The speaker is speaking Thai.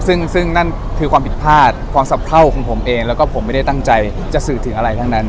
ซึ่งนั่นคือความผิดพลาดความสะเพราของผมเองแล้วก็ผมไม่ได้ตั้งใจจะสื่อถึงอะไรทั้งนั้น